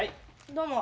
どうも。